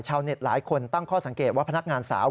หลายคนตั้งข้อสังเกตว่าพนักงานสาว